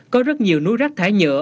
có rất nhiều núi rác thải nhựa